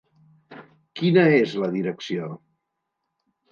Quina és la direcció?